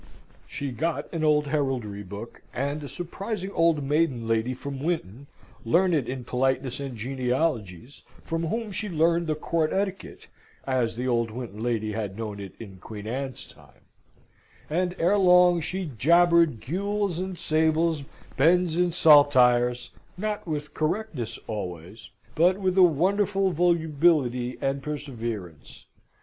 She got an old heraldry book; and a surprising old maiden lady from Winton, learned in politeness and genealogies, from whom she learned the court etiquette (as the old Winton lady had known it in Queen Anne's time); and ere long she jabbered gules and sables, bends and saltires, not with correctness always, but with a wonderful volubility and perseverance.